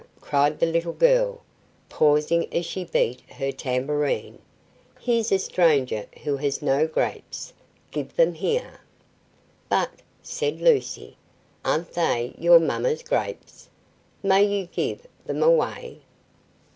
cried the little girl, pausing as she beat her tambourine, "here's a stranger who has no grapes; give them here!" "But," said Lucy, "aren't they your Mamma's grapes; may you give them away?"